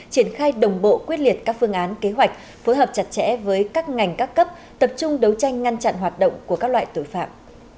triển khai đồng bộ quyết liệt các phương án kế hoạch phối hợp chặt chẽ với các ngành các cấp tập trung đấu tranh ngăn chặn hoạt động của các loại tội phạm